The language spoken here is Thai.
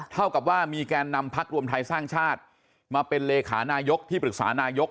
เท่ากับว่ามีแกนนำพักรวมไทยสร้างชาติมาเป็นเลขานายกที่ปรึกษานายก